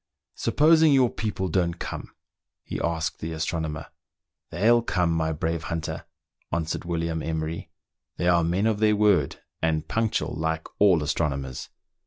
"Supposing your people don't come?" he asked the astronomer. "They'll come, my brave hunter," answered William Emery :" they are men of their word, and punctual, like all astronomers.